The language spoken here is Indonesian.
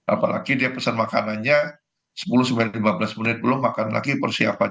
apalagi dia pesan makanannya sepuluh lima belas menit belum makan lagi persiapan